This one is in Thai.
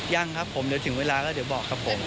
ยังครับผมเดี๋ยวถึงเวลาแล้วเดี๋ยวบอกครับผม